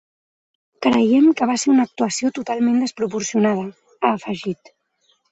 “Creiem que va ser una actuació totalment desproporcionada”, ha afegit.